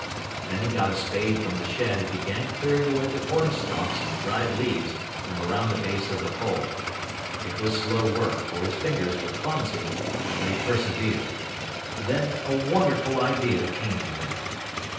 Then he got a spade from the shed and began clearing away the cornstalks and dried leaves from around the base of the pole. It was slow work, for his fingers were clumsy, but he persevered. Then a wonderful idea came to him.